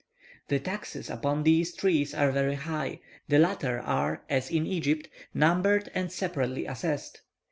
The taxes upon these trees are very high; the latter are, as in Egypt, numbered and separately assessed.